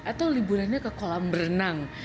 atau liburannya ke kolam berenang